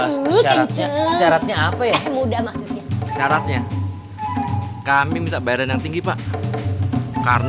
syaratnya syaratnya apa ya muda maksudnya syaratnya kami minta bayaran yang tinggi pak